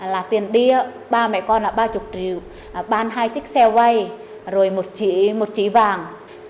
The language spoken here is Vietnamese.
là tiền đi ba mẹ con là ba mươi triệu bán hai chiếc xe quay rồi một chỉ vàng